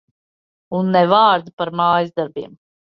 Un ne vārda par mājasdarbiem.